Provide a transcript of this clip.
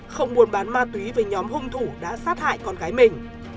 không muốn bán ma túy với nhóm hung thủ đã sát hại con gái mình